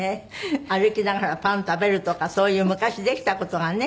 歩きながらパン食べるとかそういう昔できた事がね